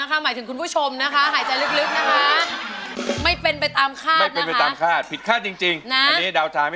จะสู้หรือจะหยุดครับ